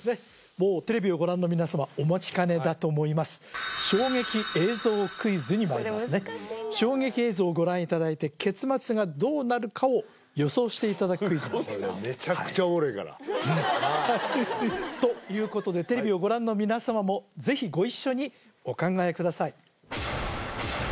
もうテレビをご覧の皆様お待ちかねだと思います衝撃映像クイズにまいります衝撃映像をご覧いただいて結末がどうなるかを予想していただくクイズなんですがということでテレビをご覧の皆様もぜひご一緒にお考えください